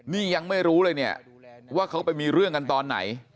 นี่ยังไม่รู้เลยเนี่ยว่าเขาไปมีเรื่องกันตอนไหน